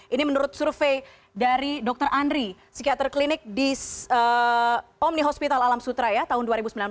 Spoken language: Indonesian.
ini menurut survei dari dr andri psikiater klinik di omni hospital alam sutra ya tahun dua ribu sembilan belas